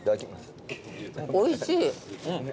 おいしい！